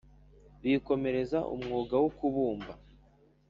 bikomereza umwuga wo kubumba